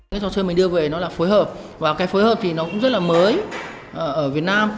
cái trò chơi mình đưa về nó là phối hợp và cái phối hợp thì nó cũng rất là mới ở việt nam